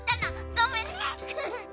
ごめんね。